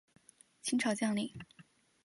清朝将领。